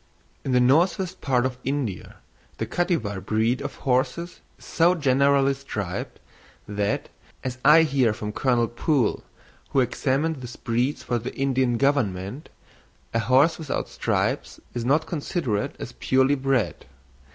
In the northwest part of India the Kattywar breed of horses is so generally striped, that, as I hear from Colonel Poole, who examined this breed for the Indian Government, a horse without stripes is not considered as purely bred.